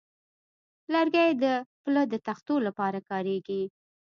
لرګی د پله د تختو لپاره کارېږي.